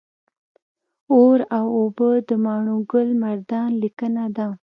اور او اوبه د ماڼوګل مردان لیکنه ده